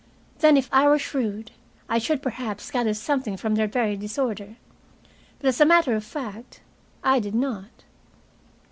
Then, if I were shrewd, I should perhaps gather something from their very disorder, But, as a matter of fact, I did not.